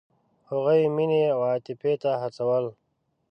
هغوی یې مینې او عاطفې ته هڅول.